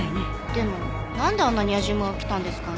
でもなんであんなに野次馬が来たんですかね？